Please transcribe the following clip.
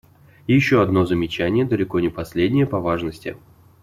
И еще одно замечание, далеко не последнее по важности.